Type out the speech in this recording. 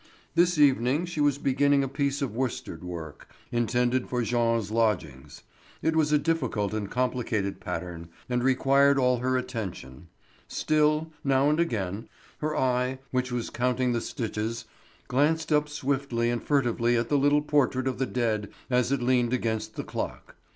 This evening she was beginning a piece of worsted work, intended for Jean's lodgings. It was a difficult and complicated pattern, and required all her attention. Still, now and again, her eye, which was counting the stitches, glanced up swiftly and furtively at the little portrait of the dead as it leaned against the clock.